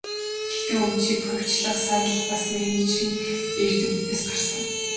Гэхдээ өмчийг хувьчлах санал бас менежментийн эрдэмтдээс гарсан.